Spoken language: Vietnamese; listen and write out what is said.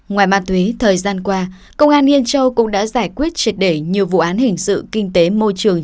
ngoài ma túy thời gian qua công an yên châu cũng đã giải quyết triệt để nhiều vụ án hình sự kinh tế môi trường